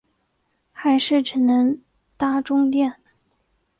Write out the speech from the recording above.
还是只能搭终电